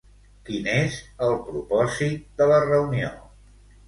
Quin és el propòsit de la reunió?